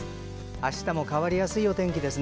明日も変わりやすい天気です。